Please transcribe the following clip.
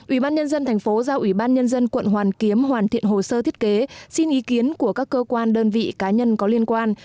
ủy ban nhân dân thành phố giao ủy ban nhân dân quận hoàn kiếm hoàn thiện hồ sơ thiết kế xin ý kiến của các cơ quan đơn vị cá nhân có liên quan